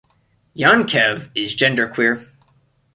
Yankev is genderqueer.